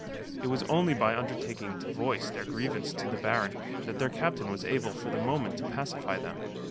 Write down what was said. It was only by undertaking to voice their grievance to the Baron that their captain was able for the moment to pacify them.